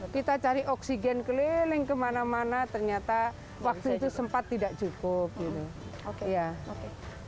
kita cari oksigen keliling kemana mana ternyata waktu itu sempat tidak cukup gitu oke